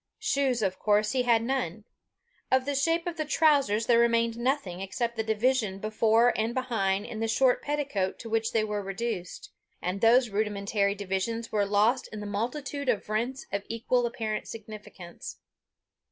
Shoes, of course, he had none. Of the shape of trousers there remained nothing, except the division before and behind in the short petticoat to which they were reduced; and those rudimentary divisions were lost in the multitude of rents of equal apparent significance.